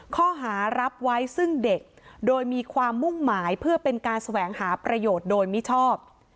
ข้อหารับไว้ซึ่งเด็กโดยมีความมุ่งหมายเพื่อเป็นการแสวงหาประโยชน์โดยมิชอบ